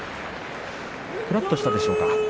くらっとしたでしょうか。